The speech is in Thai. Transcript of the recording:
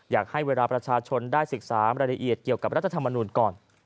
อยากให้เวลาประชาชนได้ศึกษารายละเอียดเกี่ยวกับรัฐธรรมนูลก่อน